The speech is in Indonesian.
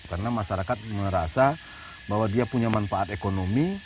karena masyarakat merasa bahwa dia punya manfaat ekonomi